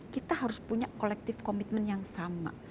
kita harus punya collective commitment yang sama